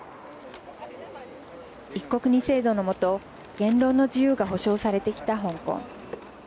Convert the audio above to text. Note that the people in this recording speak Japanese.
１国２制度の下、言論の自由が保障されてきた香港。